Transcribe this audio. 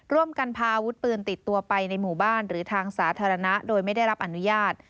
ร่วมกันพาอาวุธปืนติดตัวไปในหมู่บ้านหรือทางสาธารณะโดยไม่ได้รับอนุญาต